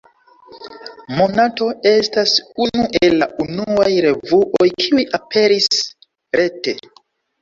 Monato estas unu el la unuaj revuoj, kiuj aperis rete.